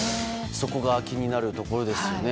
そこが気になるところですね。